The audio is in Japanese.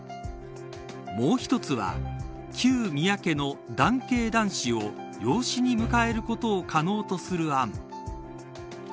もう１つは旧宮家の男系男子を養子に迎えることを可能とする案。